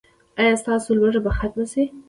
ایا ستاسو لوږه به ختمه شي؟